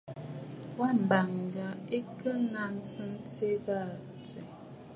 Wa mbəŋ yâ ɨ̀ kɨ nàŋsə ntwìʼi gha aa tswìʼì.